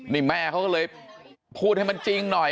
นี่แม่เขาก็เลยพูดให้มันจริงหน่อย